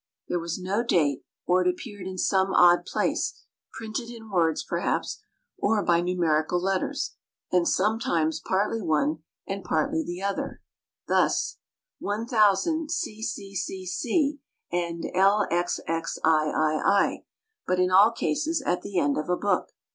There was no date, or it appeared in some odd place, printed in words perhaps, or by numerical letters, and sometimes partly one and partly the other, thus: "One thousand CCCC. and LXXIII.," but in all cases at the end of a book.